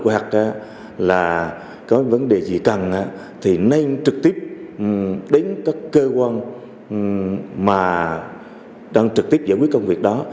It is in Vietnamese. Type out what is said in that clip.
hoặc là có vấn đề gì cần thì nên trực tiếp đến các cơ quan mà đang trực tiếp giải quyết công việc đó